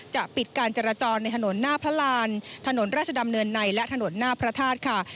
จะปิดการจราจรในถนนหน้าพระรานถนนราชดำเนินในและถนนหน้าพระธาตุค่ะ